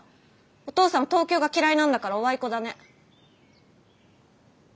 お父さん東京が嫌いなんだからおあいこだね。